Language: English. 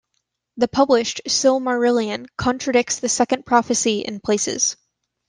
The published "Silmarillion" contradicts the Second Prophecy in places.